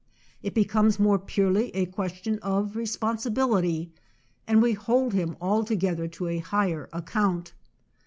It becomes more purely a question of responsibility, and we hold him alto gether to a higher account.